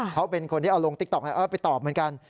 เขาเป็นคนที่เอาลงติ๊กต๊อกไปตอบเหมือนกัน